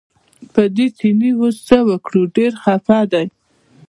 په دې چیني اوس څه وکړو ډېر خپه دی.